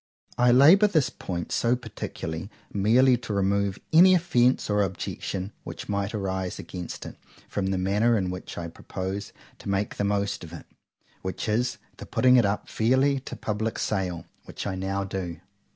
I labour this point so particularly, merely to remove any offence or objection which might arise against it from the manner in which I propose to make the most of it;—which is the putting it up fairly to public sale; which I now do.